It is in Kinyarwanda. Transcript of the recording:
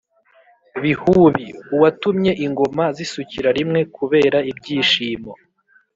Bihubi: uwatumye ingoma zisukira rimwe kubera ibyishimo.